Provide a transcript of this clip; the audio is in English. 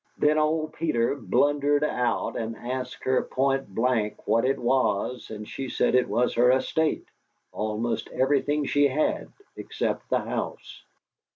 Then old Peter blundered out and asked her point blank what it was, and she said it was her estate, almost everything she had, except the house.